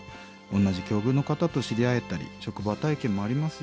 同じ境遇の方と知り合えたり職場体験もありますよ」。